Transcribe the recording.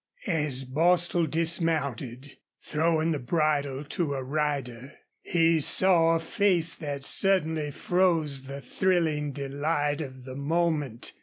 As Bostil dismounted, throwing the bridle to a rider, he saw a face that suddenly froze the thrilling delight of the moment.